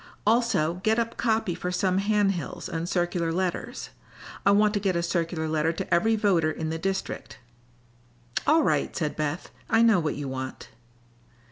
Also get up copy for some hand hills and circular letters. I want to get a circular letter to every voter in the district." "All right," said Beth. "I know what you want."